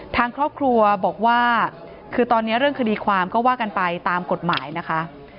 ทางครอบครัวบอกว่าคือตอนนี้เรื่องคดีความก็ว่ากันไปตามกฎหมายนะคะ